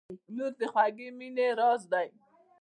• لور د خوږې مینې راز دی.